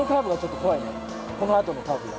このあとのカーブが。